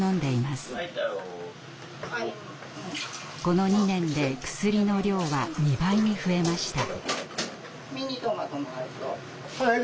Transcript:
この２年で薬の量は２倍に増えました。